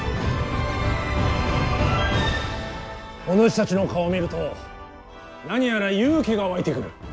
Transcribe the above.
おぬしたちの顔を見ると何やら勇気が湧いてくる。